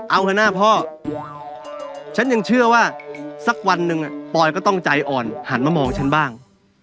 เอาเถอะนะพ่อฉันยังเชื่อว่าสักวันหนึ่งปอยก็ต้องใจอ่อนหันมามองฉันบ้าง